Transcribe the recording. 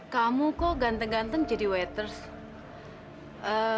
kamu kok ganteng ganteng jadi waters